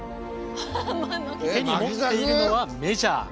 手に持っているのはメジャー。